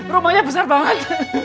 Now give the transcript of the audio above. rumahnya besar banget